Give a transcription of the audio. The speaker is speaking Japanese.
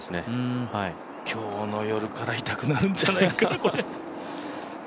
今日の夜から痛くなるんじゃないかな、これ。